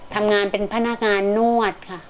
ทำงานเป็นพนักงานนวดค่ะ